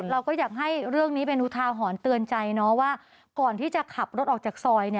เราก็อยากให้เรื่องนี้เป็นอุทาหรณ์เตือนใจว่าก่อนที่จะขับรถออกจากซอย